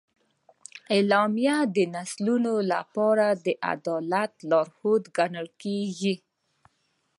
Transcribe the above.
اعلامیه د نسلونو لپاره د عدالت لارښود ګڼل کېږي.